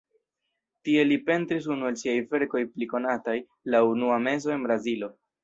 Tie li pentris unu el siaj verkoj pli konataj: "La unua meso en Brazilo".